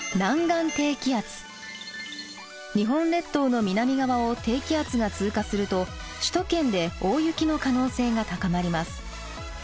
日本列島の南側を低気圧が通過すると首都圏で大雪の可能性が高まります。